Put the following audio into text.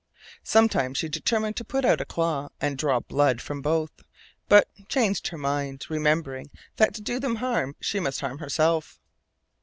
Sometimes she determined to put out a claw and draw blood from both, but changed her mind, remembering that to do them harm she must harm herself.